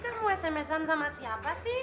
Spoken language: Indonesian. kamu smsan sama siapa sih